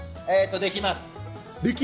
できます。